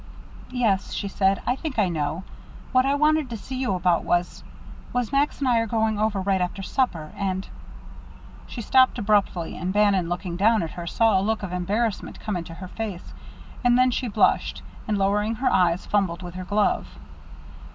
"Yes," she said, "I think I know. What I wanted to see you about was was Max and I are going over right after supper, and " She stopped abruptly; and Bannon, looking down at her, saw a look of embarrassment come into her face; and then she blushed, and lowering her eyes, fumbled with her glove.